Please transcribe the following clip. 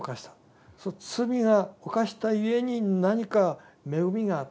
罪を犯したゆえに何か恵みがあった。